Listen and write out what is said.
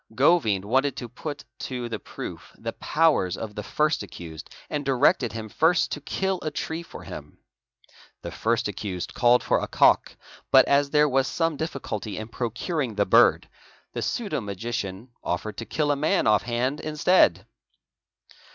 Govind wanted to put to ; ie proof the powers of the first accused and directed him first to kill a tree for him. 'The first.accused called for a cock, but as there was some d fhiculty in procuring the bird, the pseudo magician offered to kill a man ¢} a and instead.